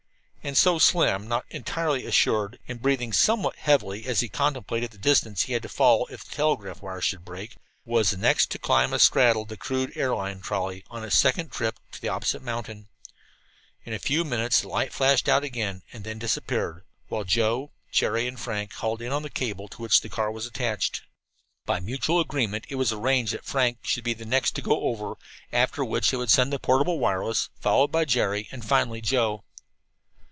And so Slim, not entirely assured, and breathing somewhat heavily as he contemplated the distance he had to fall if the telegraph wire should break, was the next to climb a straddle the crude "air line" trolley, on its second trip to the opposite mountain. In a few moments the light flashed out again and then disappeared, while Joe, Jerry and Frank hauled in on the cable to which the car was attached. By mutual agreement it was arranged that Frank should be the next to go over, after which they would send the portable wireless, followed by Jerry, and finally Joe.